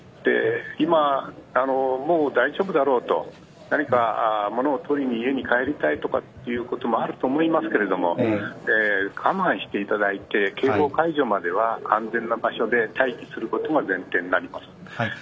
今、もう大丈夫だろうと何か物を取りに、家に帰りたいということもあると思いますが我慢していただいて警報の解除までは安全な場所で待機することが前提になります。